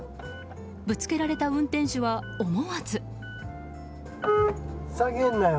ぶつけられた運転手は思わず。